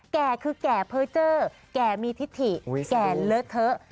แก่คือแก่เพอร์เจอร์แก่มีทิถิแก่เลอะเทอะ